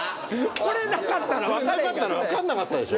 これなかったら分かんなかったでしょ？